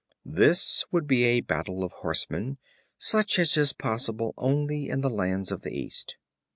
This would be a battle of horsemen, such as is possible only in the lands of the East.